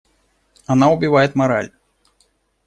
Она убивает мораль.